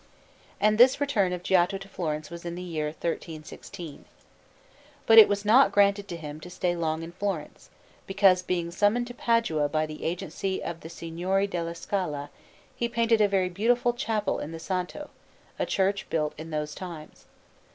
And this return of Giotto to Florence was in the year 1316. But it was not granted to him to stay long in Florence, because, being summoned to Padua by the agency of the Signori della Scala, he painted a very beautiful chapel in the Santo, a church built in those times.